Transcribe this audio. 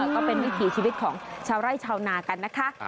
ก็เป็นวิถีชีวิตของชาวไร่ชาวนากันนะคะ